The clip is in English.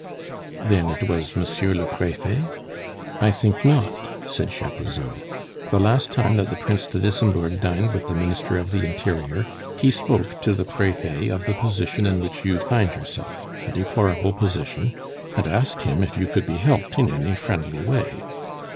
"Then it was Monsieur le Prefet ?" "I think not," said Chapuzot. "The last time that the Prince de Wissembourg dined with the Minister of the Interior, he spoke to the Prefet of the position in which you find yourself a deplorable position and asked him if you could be helped in any friendly way.